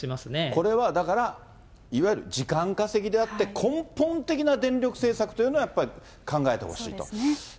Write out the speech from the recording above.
これはだから、いわゆる時間稼ぎであって、根本的な電力政策というのは、やっぱり、そうですね。